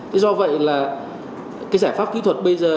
thế do vậy là cái giải pháp kỹ thuật bây giờ